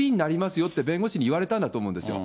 よって弁護士に言われたんだと思うんですよ。